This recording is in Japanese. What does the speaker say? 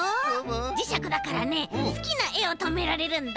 じしゃくだからねすきなえをとめられるんだ。